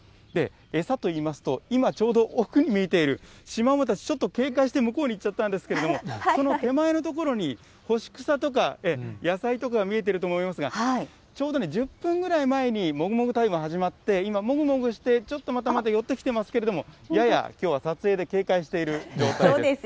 餌といいますと、今、ちょうど奥に見えているシマウマたち、ちょっと警戒して向こうに行っちゃったんですけれども、その手前の所に、干し草とか、野菜とかが見えていると思いますが、ちょうどね、１０分ぐらい前にもぐもぐタイム始まって、今、もぐもぐして、ちょっとまた寄ってきていますけれども、やや、きょうは撮影で警戒している状態です。